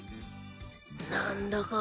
何だか。